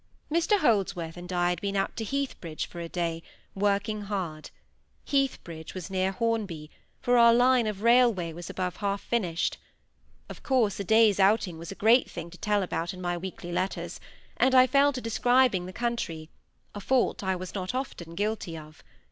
Mr Holdsworth and I had been out to Heathbridge for a day, working hard. Heathbridge was near Hornby, for our line of railway was above half finished. Of course, a day's outing was a great thing to tell about in my weekly letters; and I fell to describing the country—a fault I was not often guilty of.